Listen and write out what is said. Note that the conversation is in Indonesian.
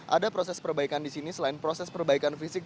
ada proses perbaikan di sini selain proses perbaikan fisik